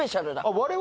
我々。